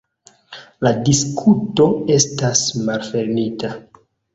La diskuto estas malfermita.